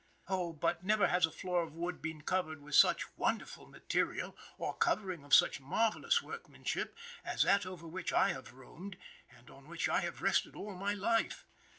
Oh, but never has a floor of wood been covered with such wonderful material, or covering of such marvellous workmanship, as that over which I have roamed, and on which I have rested all my life.